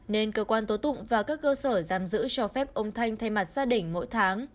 nên cơ quan tố tụng và các cơ sở giam giữ cho phép ông thanh thay mặt gia đình mỗi tháng